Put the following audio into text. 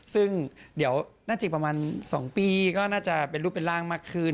ซึ่งเดี๋ยวน่าจะประมาณ๒ปีก็น่าจะเป็นรูปเป็นร่างมากขึ้น